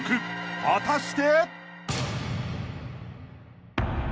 ［果たして］